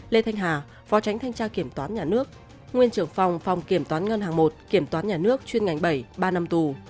lê thanh hà phó tránh thanh tra kiểm toán nhà nước nguyên trưởng phòng phòng kiểm toán ngân hàng một kiểm toán nhà nước chuyên ngành bảy ba năm tù